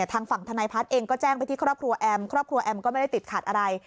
ทางฝั่งธนายพัฒน์เองก็แจ้งไปที่ครอบครัวแอมครอบครัวแอมก็ไม่ได้ติดขัดอะไร